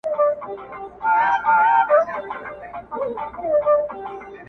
که دي قسمته ازلي وعده پښېمانه سوله-